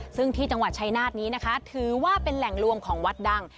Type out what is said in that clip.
ซึ่งที่จังหวัดชายนาฏนี้นะคะถือว่าเป็นแหล่งรวมของวัดดัง